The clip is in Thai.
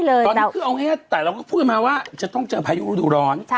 ตอนนี้คือเอาง่ายแต่เราก็พูดกันมาว่าจะต้องเจอพายุฤดูร้อน